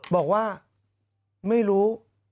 บอกว่าไม่รู้